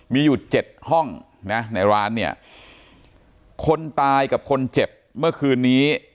มีอยู่เจ็ดห้องนะในร้านเนี่ยคนตายกับคนเจ็บเมื่อคืนนี้